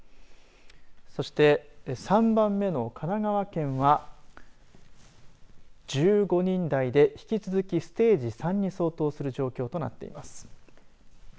そして、３番目の神奈川県は１５人台で引き続きステージ３に相当する状況となっています。